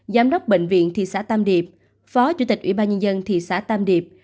giám đốc bệnh viện thị xã tam điệp phó chủ tịch ủy ban nhân dân thị xã tam điệp